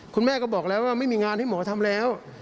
คุณแม่ก็บอกแล้วว่าไม่มีงานให้หมอทำแล้ว